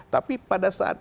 tapi pada saat